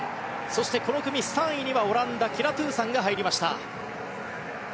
そして、この組３位にはオランダ、キラ・トゥーサンが入りました。